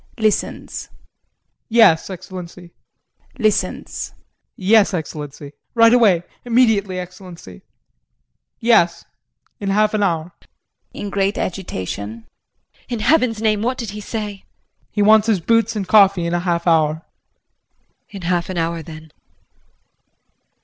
[Listens]. Yes, Excellency. [Listens].Yes, Excellency, right away immediately, Excellency. Yes in half an hour. JULIE [In great agitation]. What did he say? In Heaven's name, what did he say? JEAN. He wants his boots and coffee in a half hour. JULIE. In half an hour then.